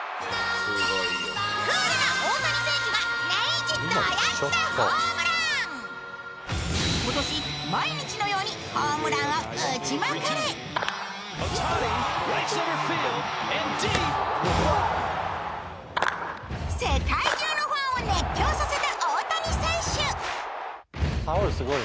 クールな大谷選手が今年毎日のようにホームランを打ちまくり世界中のファンを熱狂させた大谷選手